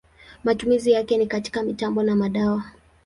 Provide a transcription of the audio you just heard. Matumizi yake ni katika mitambo na madawa.